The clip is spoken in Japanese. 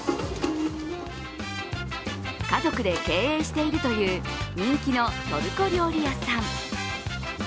家族で経営しているという人気のトルコ料理屋さん。